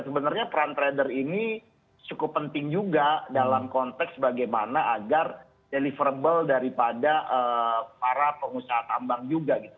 sebenarnya peran trader ini cukup penting juga dalam konteks bagaimana agar deliverable daripada para pengusaha tambang juga gitu